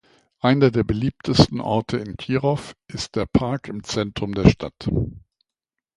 Einer der beliebtesten Orte in Kirov ist der Park im Zentrum der Stadt.